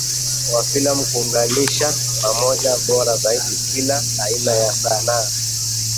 wa filamu kuunganisha pamoja bora zaidi ya kila aina ya sanaa